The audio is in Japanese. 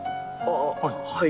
ああはい。